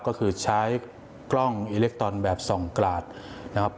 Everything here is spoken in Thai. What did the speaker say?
ก็คือใช้กล้องอิเล็กตอนแบบส่องกราดนะครับ